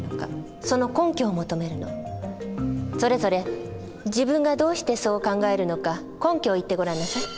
それぞれ自分がどうしてそう考えるのか根拠を言ってごらんなさい。